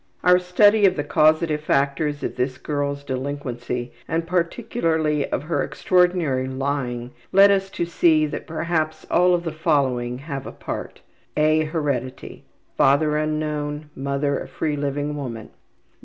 Our study of the causative factors of this girl's delinquency and particularly of her extraordinary lying led us to see that perhaps all of the following have a part: (a) Heredity. Father unknown. Mother a free living woman.